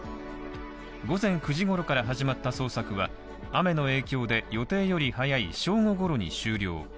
午前９時ごろから始まった捜索は雨の影響で予定より早い正午ごろに終了。